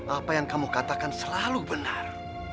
apa yang kamu katakan selalu benar